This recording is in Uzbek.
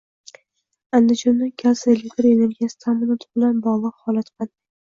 Andijonda gaz va elektr energiyasi ta’minoti bilan bog‘liq holat qanday?